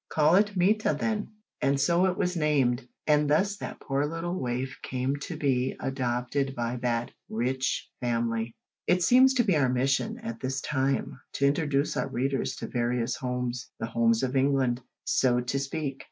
"Call it Mita, then." And so it was named, and thus that poor little waif came to be adopted by that "rich" family. It seems to be our mission, at this time, to introduce our readers to various homes the homes of England, so to speak!